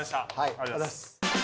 ありがとうございます。